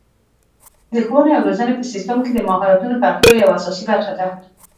د ښوونې او روزنې په سیستم کې د مهارتونو پراختیا یوه اساسي برخه ده.